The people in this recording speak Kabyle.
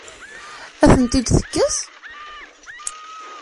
Ad tent-id-tekkes?